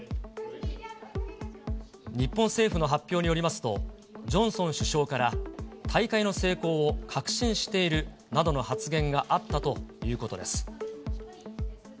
日本政府の発表によりますと、ジョンソン首相から、大会の成功を確信しているなどの発言があったということです。